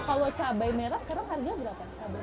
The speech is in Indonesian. kalau cabai merah sekarang harganya berapa